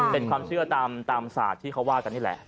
เป็นความเชื่อตามศาสตร์ที่เขาว่ากันนี่แหละ